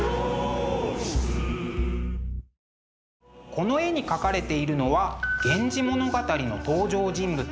この絵に描かれているのは「源氏物語」の登場人物